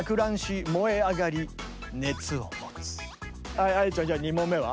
はい愛理ちゃんじゃあ２問目は？